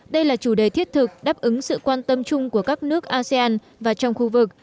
đây là chủ đề thiết thực đáp ứng sự quan tâm chung của các nước asean và trong khu vực